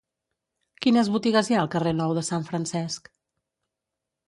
Quines botigues hi ha al carrer Nou de Sant Francesc?